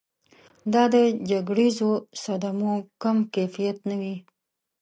دا د جګړیزو صدمو کم کیفیت نه وي.